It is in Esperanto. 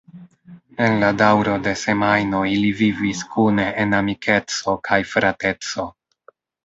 En la daŭro de semajno ili vivis kune en amikeco kaj frateco.